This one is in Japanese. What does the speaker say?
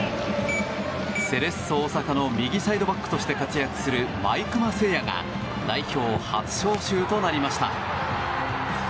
セレッソ大阪の右サイドバックとして活躍する毎熊晟矢が代表初招集となりました。